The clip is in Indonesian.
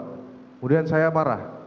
kemudian saya marah